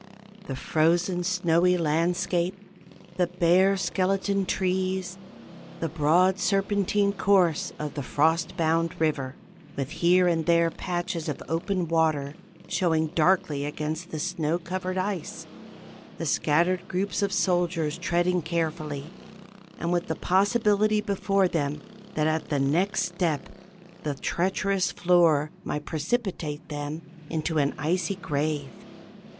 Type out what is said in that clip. the frozen snowy landscape; the bare skeleton trees; the broad serpentine course of the frost bound river, with here and there patches of open water showing darkly against the snow covered ice; the scattered groups of soldiers treading carefully, and with the possibility before them that at the next step the treacherous floor might precipitate them into an icy grave.